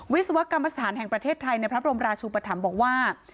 วิศวกรรมสถานแห่งประเทศไทยในพระบรมราชุปธรรมบอกว่า